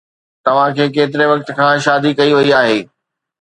توهان کي ڪيتري وقت کان شادي ڪئي وئي آهي؟